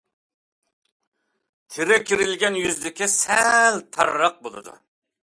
تېرە كېرىلگەن يۈزلۈكى سەل تارراق بولىدۇ.